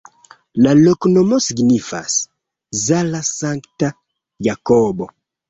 La loknomo signifas: Zala-sankta-Jakobo.